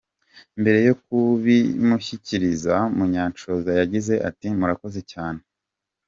Mbere yo kubimushyikiriza, Munyanshoza yagize ati “ Murakoze cyane.